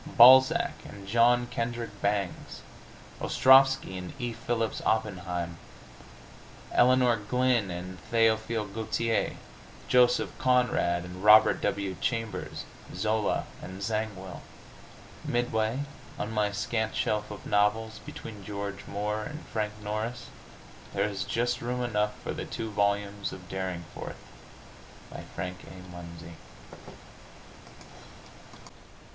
Balzac and John Kendrick Bangs; Ostrovsky and E. Phillips Oppenheim; Elinor Glyn and Théophile Gautier; Joseph Conrad and Robert W. Chambers; Zola and Zangwill!... Midway on my scant shelf of novels, between George Moore and Frank Norris, there is just room enough for the two volumes of "Derringforth," by Frank A. Munsey.